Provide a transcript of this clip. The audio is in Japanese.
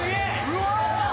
うわ！